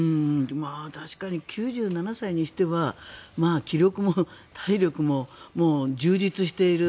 確かに９７歳にしては気力も体力ももう充実している。